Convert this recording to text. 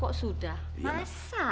kok sudah masak